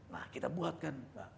nah kita buatkan